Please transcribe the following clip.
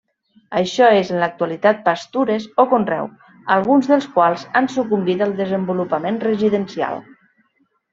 Això és en l'actualitat pastures o conreu, alguns dels quals han sucumbit al desenvolupament residencial.